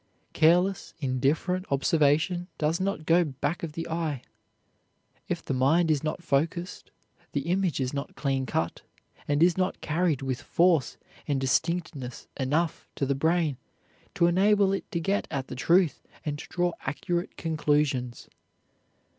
Careless, indifferent observation does not go back of the eye. If the mind is not focused, the image is not clean cut, and is not carried with force and distinctness enough to the brain to enable it to get at the truth and draw accurate conclusions.